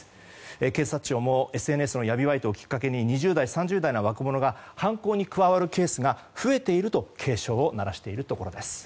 警察庁もＳＮＳの闇バイトをきっかけに２０代、３０代の若者が犯行に加わるケースが増えていると警鐘を鳴らしているところです。